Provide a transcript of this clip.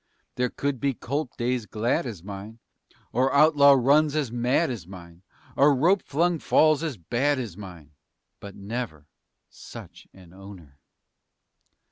There could be colt days glad as mine Or outlaw runs as mad as mine Or rope flung falls as bad as mine, But never such an owner.